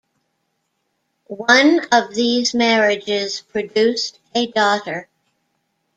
One of these marriages produced a daughter.